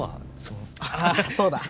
ああそうだ！